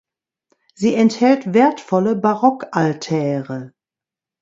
Sie enthält wertvolle Barockaltäre.